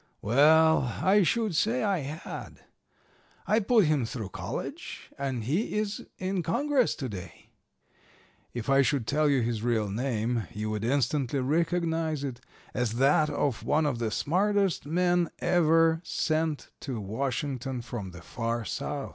Well, I should say I had. I put him through college, and he is in Congress to day. If I should tell you his real name you would instantly recognize it as that of one of the smartest men ever sent to Washington from the far South."